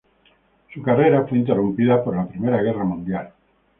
Su carrera fue interrumpida por la Primera Guerra Mundial.